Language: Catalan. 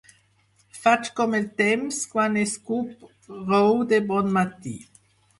Faig com el temps quan escup rou de bon matí.